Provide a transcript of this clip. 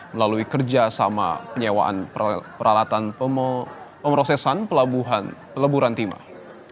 melalui kerja sama penyewaan peralatan pemrosesan pelabuhan peleburan timah